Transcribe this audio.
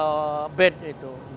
kalau misalkan dapat bed